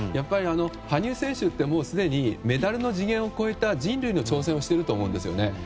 羽生選手ってすでにメダルの次元を超えた人類の挑戦をしてると思うんですよね。